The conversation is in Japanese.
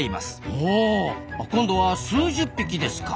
ほう今度は数十匹ですか。